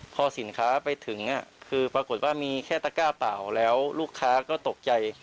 พอสินค้าไปถึงคือปรากฏว่ามีแค่ตะก้าเปล่าแล้วลูกค้าก็ตกใจ